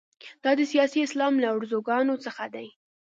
دا د سیاسي اسلام له ارزوګانو څخه دي.